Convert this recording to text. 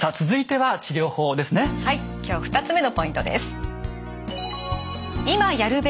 はい今日２つ目のポイントです。